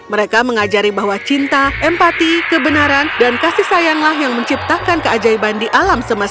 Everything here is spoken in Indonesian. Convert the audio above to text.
mereka mengajari bahwa cinta empati kebenaran dan kasih sayanglah yang menciptakan keajaiban di alam semesta